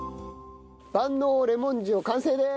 万能レモン塩完成です！